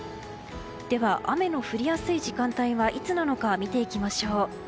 では雨の降りやすい時間帯はいつなのか見ていきましょう。